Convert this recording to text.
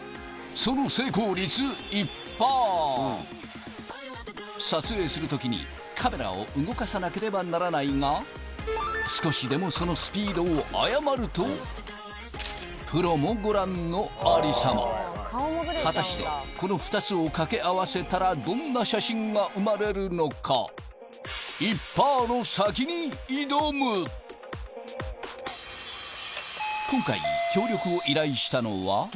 その成功率撮影する時にカメラを動かさなければならないが少しでもそのスピードを誤るとプロもご覧のありさま果たしてこの２つを掛け合わせたらどんな写真が生まれるのか１％の先に挑むこんにちは。